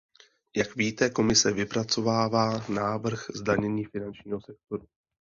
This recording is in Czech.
Jak víte, Komise vypracovává návrh zdanění finančního sektoru.